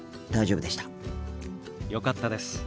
よかったです。